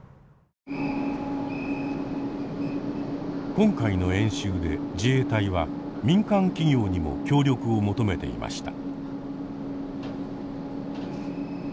今回の演習で自衛隊は「民間企業」にも協力を求めていました。